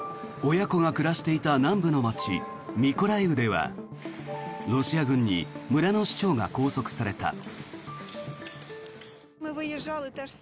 親子が暮らしていた南部の街ミコライウではロシア軍に村の首長が拘束された。